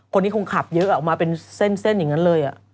คงขับเยอะออกมาเป็นเส้นอย่างนั้นเลย